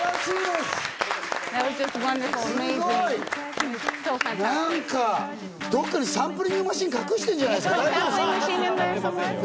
すごい！何か、どっかにサンプリングマシン隠してるんじゃないですか？